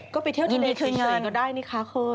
ก็ไปเที่ยวทะเลเฉยเฉยก็ได้นี่ค้าขึ้น